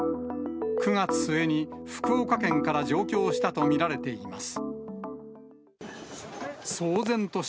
９月末に福岡県から上京したと見られています。